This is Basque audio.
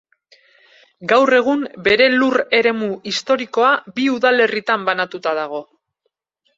Gaur egun bere lur eremu historikoa bi udalerritan banatuta dago.